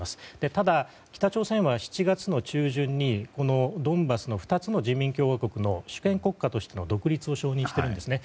ただ、北朝鮮は７月の中旬にドンバスの２つの人民共和国の主権国家としての独立を承認してるんですね。